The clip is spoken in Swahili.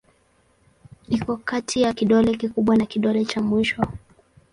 Iko kati ya kidole kikubwa na kidole cha mwisho.